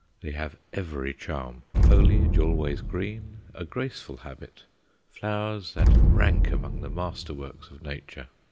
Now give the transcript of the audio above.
They have every charm foliage always green, a graceful habit, flowers that rank among the master works of Nature.